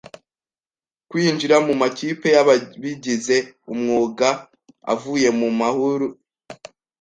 kwinjira mu makipe y’ababigize umwuga avuye mu mahur,